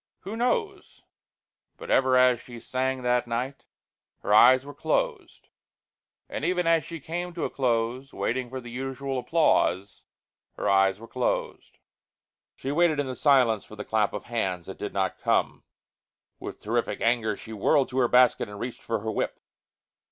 Who knows? But ever as she sang that night her eyes were closed, and even as she came to a close, waiting for the usual applause, her eyes were closed. She waited in the silence for the clap of hands. It did not come. With terrific anger, she whirled to her basket and reached for her whip.